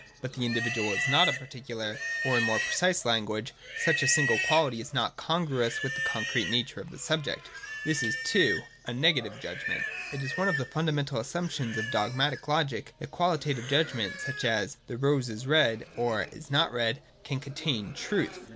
But the individual is not a particular : or in more precise language, such a single quality is not congruous with the concrete nature of the subject. This is (2) a Negative judgment. It is one of the fundamental assumptions of dogmatic Logic that Qualitative judgments such as, 'The rose is red,' or 'is not red,' can contain truth.